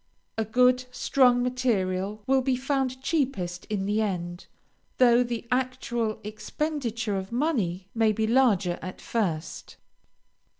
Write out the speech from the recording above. A good, strong material will be found cheapest in the end, though the actual expenditure of money may be larger at first.